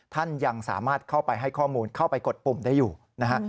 ท่านยังสามารถเข้าไปให้ข้อมูลเข้าไปกดปุ่มได้อยู่นะฮะ